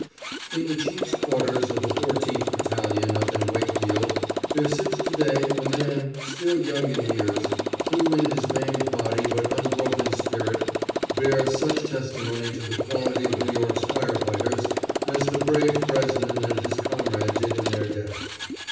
In the chief's quarters of the Fourteenth Battalion up in Wakefield there sits to day a man, still young in years, who in his maimed body but unbroken spirit bears such testimony to the quality of New York's fire fighters as the brave Bresnan and his comrade did in their death.